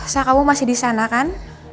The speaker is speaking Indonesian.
sah kamu masih di sana kan